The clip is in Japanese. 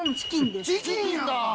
チキンだ！